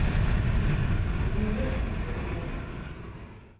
Filozofi steri ǩoçi...